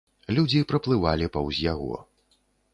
Людзі праплывалі паўз яго.